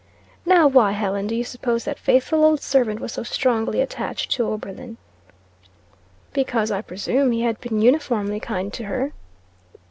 Now why, Helen, do you suppose that faithful old servant was so strongly attached to Oberlin?" "Because, I presume, he had been uniformly kind to her."